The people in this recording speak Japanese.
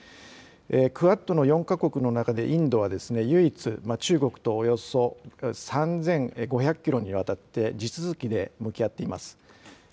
クアッドの４か国の中でインドは唯一、中国とおよそ３５００キロにわたって地続きで向き合っています。